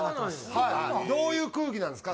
はいどういう空気なんですか？